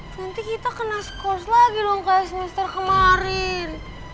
nanti kita kena skors lagi dong kayak semester kemarin